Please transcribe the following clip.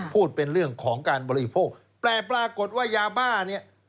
พูดเป็นเรื่องของการบริโภคแต่ปรากฏว่ายาบ้าเนี่ย